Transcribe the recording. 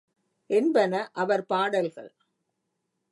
என்பன அவர் பாடல்கள்.